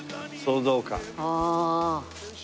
ああ。